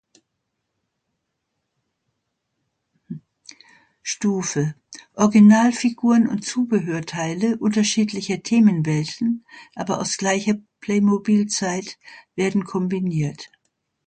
Stufe: Original-Figuren und Zubehörteile unterschiedlicher Themenwelten aber aus gleicher Playmobil-Zeit werden kombiniert.